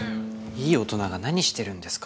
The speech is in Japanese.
いい大人が何してるんですか？